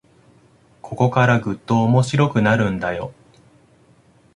ここからぐっと面白くなるんだよ